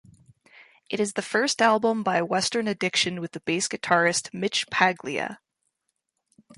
It is the first album by Western Addiction with the bass guitarist Mitch Paglia.